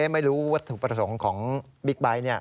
ไม่รู้วัตถุประสงค์ของบิ๊กไบท์